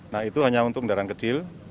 nah itu hanya untuk kendaraan kecil